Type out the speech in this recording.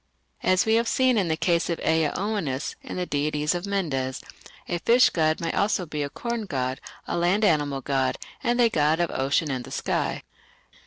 As we have seen in the case of Ea Oannes and the deities of Mendes, a fish god may also be a corn god, a land animal god and a god of ocean and the sky.